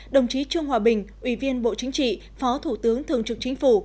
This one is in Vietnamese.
đồng chí trương hòa bình ủy viên bộ chính trị phó thủ tướng thường trực chính phủ